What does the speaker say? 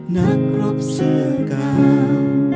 นักรบเสือกาว